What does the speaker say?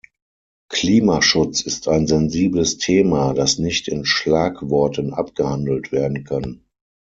Klimaschutz ist ein sensibles Thema, das nicht in Schlagworten abgehandelt werden kann.